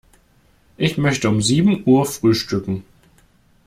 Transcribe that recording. Ich möchte um sieben Uhr frühstücken.